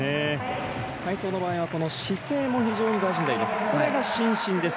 体操の場合姿勢も大事になります。